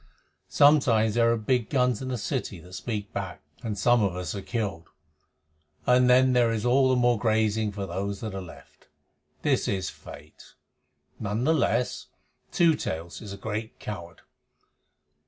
Sometimes there are big guns in the city that speak back, and some of us are killed, and then there is all the more grazing for those that are left. This is Fate. None the less, Two Tails is a great coward.